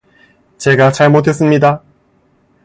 제가 잘못했습니다.